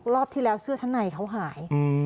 รอบที่แล้วเสื้อชั้นในเขาหาย